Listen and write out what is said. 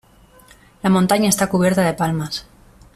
La montaña está cubierta de palmas.